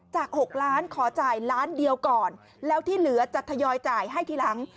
๖ล้านขอจ่ายล้านเดียวก่อนแล้วที่เหลือจะทยอยจ่ายให้ทีหลัง